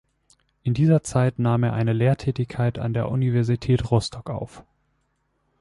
In dieser Zeit nahm er eine Lehrtätigkeit an der Universität Rostock auf.